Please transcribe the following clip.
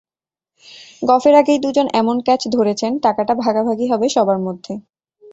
গফের আগেই দুজন এমন ক্যাচ ধরেছেন, টাকাটা ভাগাভাগি হবে সবার মধ্যে।